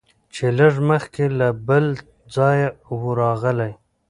چي لږ مخکي له بل ځایه وو راغلی